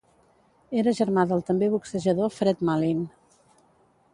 Era germà del també boxejador Fred Mallin.